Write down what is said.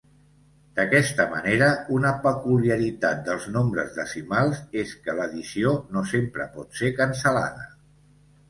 D'aquesta manera una peculiaritat dels nombres decimals és que l'addició no sempre pot ser cancel·lada.